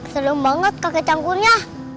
seru banget kakek canggulnya